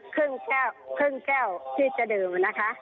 ครึ่งแก้วครึ่งแก้วที่จะดื่มนะคะ